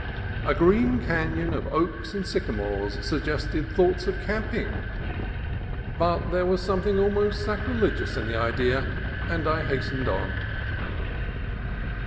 A green canon of oaks and sycamores suggested thoughts of camping, but there 84 CALIFORNIA COAST TRAILS was something almost sacrilegious in the idea, and I hastened on.